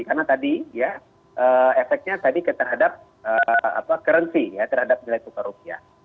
karena tadi ya efeknya tadi terhadap currency ya terhadap nilai tukar rupiah